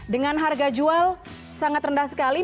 dengan harga jual sangat rendah sekali